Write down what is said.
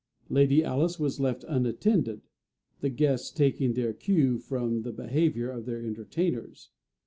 Lady Alice was left unattended, the guests taking their cue from the behaviour of their entertainers.